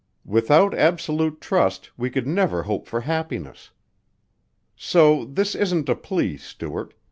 Without absolute trust we could never hope for happiness. So this isn't a plea, Stuart.